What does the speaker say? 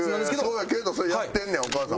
そうやけどそれやってんねやお母さん。